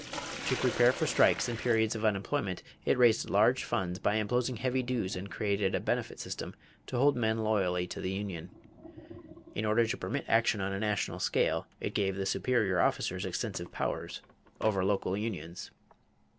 To prepare for strikes and periods of unemployment, it raised large funds by imposing heavy dues and created a benefit system to hold men loyally to the union. In order to permit action on a national scale, it gave the superior officers extensive powers over local unions.